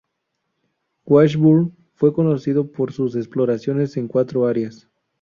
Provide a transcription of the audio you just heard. Washburn fue conocido por sus exploraciones en cuatro áreas.